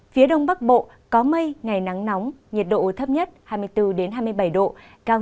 phía đông bắc bộ có mây ngày nắng nóng nhiệt độ thấp nhất hai mươi bốn hai mươi bảy độ cao